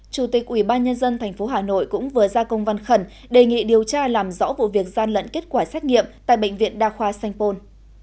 chủ tịch ubnd tp hà nội cũng vừa ra công văn khẩn đề nghị điều tra làm rõ vụ việc gian lận kết quả xét nghiệm tại bệnh viện đa khoa sanh pôn